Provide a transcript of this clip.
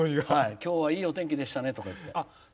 きょうはいいお天気でしたねとか言って。